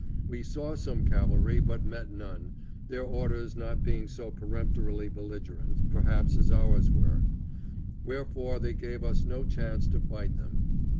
We saw some cavalry but met none, their orders not being so peremptorily belligerent, perhaps, as ours were; wherefore they gave us no chance to fight them.